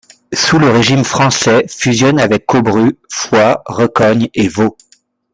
Sous le régime français, fusionne avec Cobru, Foy, Recogne et Vaux.